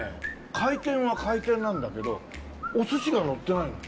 回転は回転なんだけどお寿司がのってないのよ。